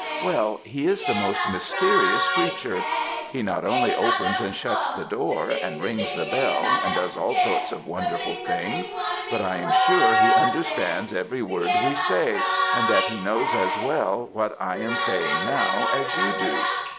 Well, he is the most mysterious creature; he not only opens and shuts the door, and rings the bell, and does all sorts of wonderful things, but I am sure he understands every word we say, and that he knows as well what I am saying now as you do.